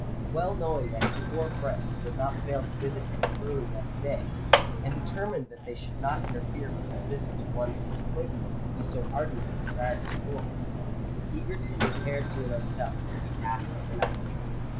Well knowing that his four friends would not fail to visit him early next day,—and determined that they should not interfere with his visit to one whose acquaintance he so ardently desired to form,—Egerton repaired to an hotel, where he passed the night.